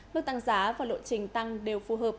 mức tăng giá và lộ trình tăng đều phù hợp